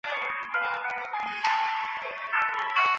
该队现在参加西班牙足球丙级联赛。